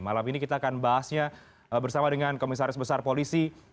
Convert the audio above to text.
malam ini kita akan bahasnya bersama dengan komisaris besar polisi